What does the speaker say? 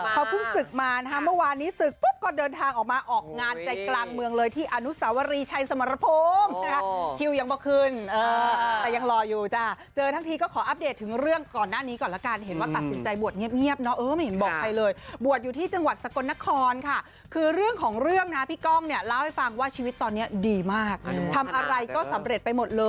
เธอเพิ่งศึกค์มานะคะเมื่อวานนี้ศึกค์ก็เดินทางออกมาออกงานใจกลางเมืองเลยที่อ